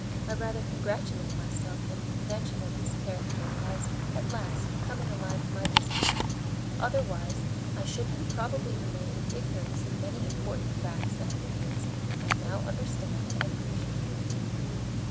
I rather congratulate myself that a convention of this character has, at last, come in the line of my business; otherwise I should have probably remained in ignorance of many important facts and opinions I now understand and appreciate."